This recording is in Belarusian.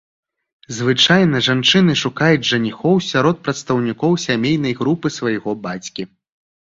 Звычайна жанчыны шукаюць жаніхоў сярод прадстаўнікоў сямейнай групы свайго бацькі.